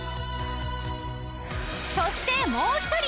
そしてもう一人！